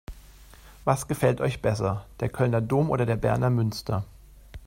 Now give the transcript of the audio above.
Was gefällt euch besser: Der Kölner Dom oder der Berner Münster?